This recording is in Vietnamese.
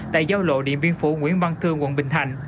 tại giao lộ điện biên phủ nguyễn văn thương quận bình thành